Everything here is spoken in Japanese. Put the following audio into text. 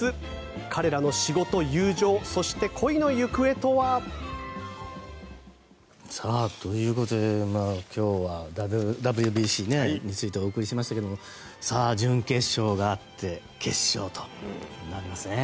彼らの仕事、友情そして、恋の行方とは。ということで今日はＷＢＣについてお送りしましたが準決勝があって決勝となりますね。